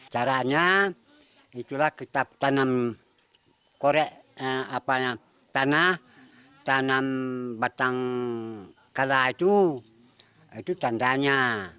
caranya itulah kita tanam korek tanah tanam batang kala itu itu tandanya